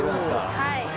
はい。